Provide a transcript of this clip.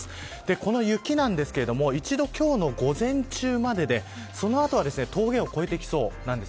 この雪なんですが一度今日の午前中まででその後は峠を越えてきそうなんです。